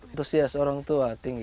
itu sih orang tua tinggi